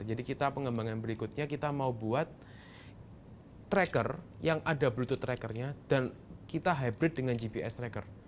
jadi pengembangan berikutnya kita mau buat tracker yang ada bluetooth trackernya dan kita hybrid dengan gps tracker